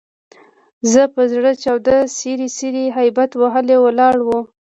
په زړه چاود، څیري څیري هبیت وهلي ولاړ وو.